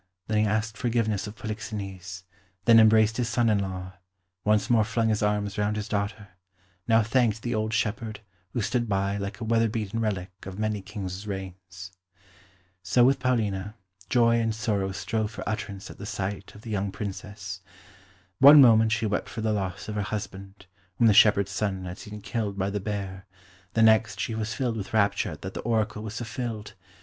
Then he asked forgiveness of Polixenes; then embraced his son in law; once more flung his arms round his daughter; now thanked the old shepherd, who stood by like a weather beaten relic of many Kings' reigns. So with Paulina, joy and sorrow strove for utterance at the sight of the young Princess. One moment she wept for the loss of her husband, whom the shepherd's son had seen killed by the bear, the next she was filled with rapture that the oracle was fulfilled.